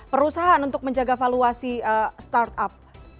perusahaan untuk menjaga valuasi startup